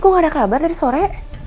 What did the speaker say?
aku gak ada kabar dari sore